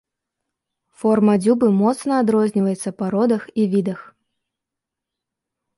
Форма дзюбы моцна адрозніваецца па родах і відах.